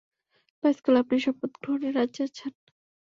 Pascal, আপনি শপথ গ্রহণে রাজী আছেন?